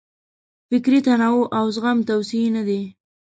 فکري تنوع او زغم توصیې نه دي.